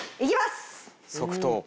即答？